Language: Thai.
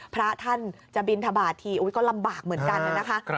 พระท่านจะบินทบาททีก็ลำบากเหมือนกันนะคะ